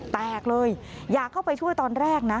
แตกเลยอยากเข้าไปช่วยตอนแรกนะ